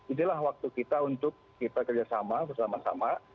inilah waktu kita untuk kita kerjasama bersama sama